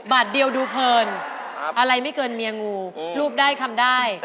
บาทเดียวดูเพลินอะไรไม่เกินเมียงูรูปได้คำได้